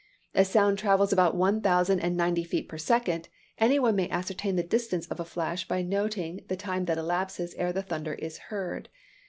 As sound travels about one thousand and ninety feet per second, any one may ascertain the distance of a flash by noting the time that elapses ere the thunder is heard.